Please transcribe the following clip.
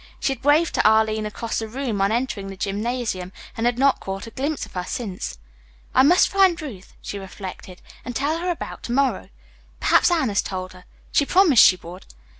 She had waved to Arline across the room on entering the gymnasium, and had not caught a glimpse of her since. "I must find Ruth," she reflected, "and tell her about to morrow. Perhaps Anne has told her. She promised she would."